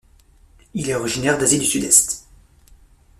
Il est originaire d'Asie du Sud-Est.